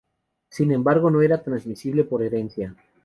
Sin embargo no era transmisible por herencia.